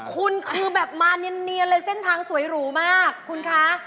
คุณคือแบบมาเนียนเลยเส้นทางสวยหรูมากคุณคะ